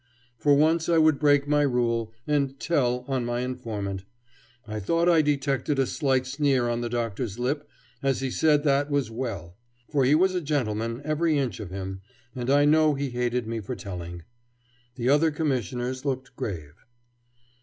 For once I would break my rule and "tell on" my informant. I thought I detected a slight sneer on the Doctor's lip as he said that was well; for he was a gentleman, every inch of him, and I know he hated me for telling. The other Commissioners looked grave.